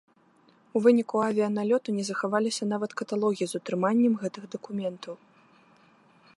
У выніку авіяналёту не захаваліся нават каталогі з утрыманнем гэтых дакументаў.